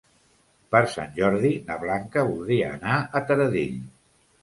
Per Sant Jordi na Blanca voldria anar a Taradell.